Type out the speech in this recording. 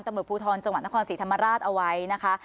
ตำรวจภูทรจังหวัดนครศรีธรรมราชเอาไว้นะคะ